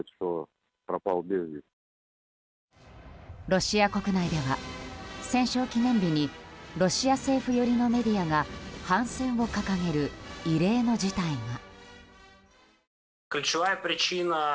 ロシア国内では戦勝記念日にロシア政府寄りのメディアが反戦を掲げる異例の事態が。